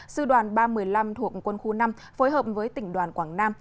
sư đoàn ba mươi năm thuộc quân khu năm phối hợp với tỉnh đoàn quảng nam